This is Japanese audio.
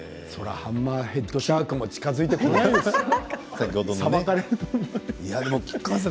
ハンマーヘッドシャークも近づいてこないですよ、さばかれる。